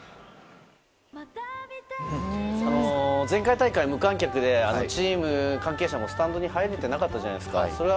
前回大会、無観客でチーム関係者もスタンドに入れていなかったじゃないですか。